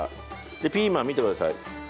でピーマン見てください。